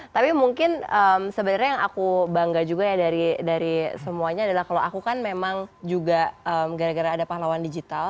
tapi mungkin sebenarnya yang aku bangga juga ya dari semuanya adalah kalau aku kan memang juga gara gara ada pahlawan digital